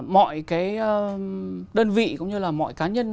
mọi cái đơn vị cũng như là mọi cá nhân